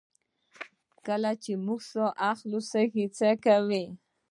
کله چې موږ ساه اخلو سږي څه کوي